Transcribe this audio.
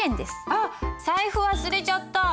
あっ財布忘れちゃった。